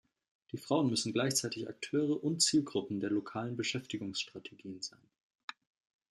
Die Frauen müssen gleichzeitig Akteure und Zielgruppen der lokalen Beschäftigungsstrategien sein.